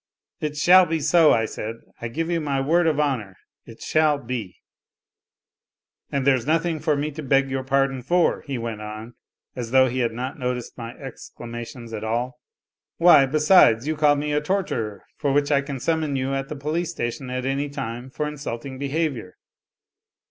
" It shall be so," I said, " I give you my word of honour, it shaU be !"" And there's nothing for me to beg your pardon for," he went on, as though he had not noticed my exclamations at all. "Why, besides, you called me a 'torturer,' for which I can summon you at the police station at any time for insulting behaviour."